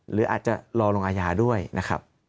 หรืออาจจะรอลงอาญาด้วยนะครับ